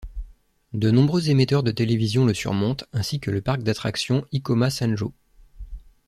De nombreux émetteurs de télévision le surmontent, ainsi que le parc d’attractions Ikoma Sanjo.